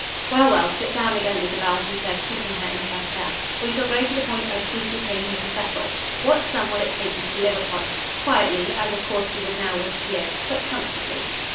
"Well, well, sit down again, Isabel," he said, putting her into her chair. "We shall go to the point I chiefly came here to settle. What sum will it take you to live upon? Quietly; as of course you would now wish to live, but comfortably."